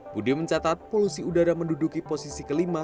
budi mencatat polusi udara menduduki posisi kelima